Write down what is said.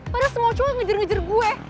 padahal semua cowok ngejer ngejer gue